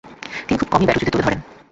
তিনি খুব কমই ব্যাট উঁচুতে তুলে ধরতেন।